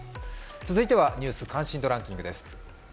続いてはニュース関心度ランキングです。